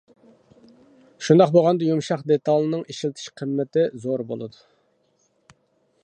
شۇنداق بولغاندا يۇمشاق دېتالنىڭ ئىشلىتىلىش قىممىتى زور بولىدۇ.